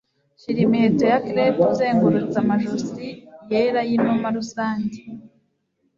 Shira imiheto ya crepe uzengurutse amajosi yera yinuma rusange